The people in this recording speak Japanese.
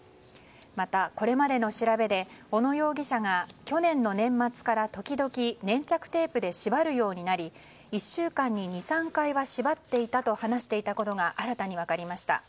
また、これまでの調べで小野容疑者が去年の年末から時々粘着テープで縛るようになり１週間に２３回は縛っていたと話していたことが新たに分かりました。